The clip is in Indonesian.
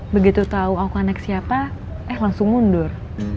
begitu tau aku anak siapa eh langsung mundur